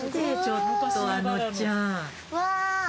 ちょっとあのちゃん。